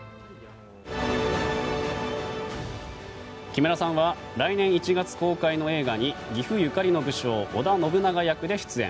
木村さんは来年１月公開の映画に岐阜ゆかりの武将織田信長役で出演。